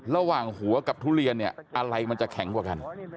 ระหว่างหัวกับทุเรียนเนี่ยอะไรมันจะแข็งกว่ากัน